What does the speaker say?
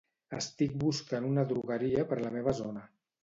Estic buscant una drogueria per la meva zona.